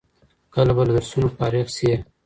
کله به له درسونو فارغ سې؟